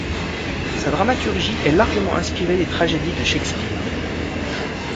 Sa dramaturgie est largement inspirée des tragédies de Shakespeare.